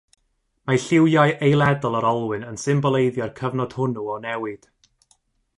Mae lliwiau eiledol yr olwyn yn symboleiddio'r cyfnod hwnnw o newid.